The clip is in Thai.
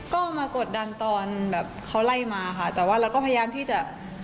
ก็มากดดันตอนแบบเขาไล่มาค่ะแต่ว่าเราก็พยายามที่จะ